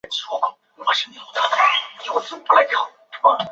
终极杀戮乐团是一支来自美国麻萨诸塞州的金属核乐团。